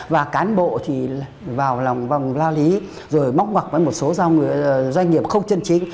và cán bộ thì vào lòng lao lý rồi móc ngọc với một số doanh nghiệp không chân chính